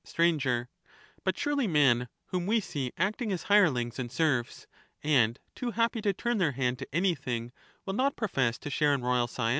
Sir, But surely men whom we see acting as hirelings and npr serfs, and too happy to turn their hand to anything, will not ^^"^' profess to share in royal science